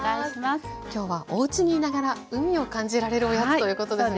きょうはおうちにいながら海を感じられるおやつということですね。